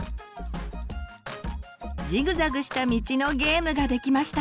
ジグザグした道のゲームができました。